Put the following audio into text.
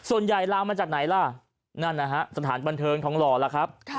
ลาวมาจากไหนล่ะนั่นนะฮะสถานบันเทิงทองหล่อล่ะครับ